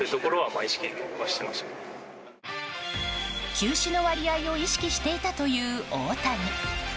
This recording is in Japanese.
球種の割合を意識していたという大谷。